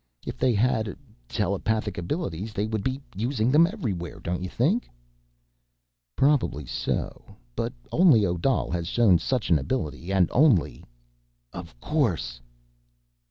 "If they had uh, telepathic abilities, they would be using them everywhere. Don't you think?" "Probably so. But only Odal has shown such an ability, and only ... _of course!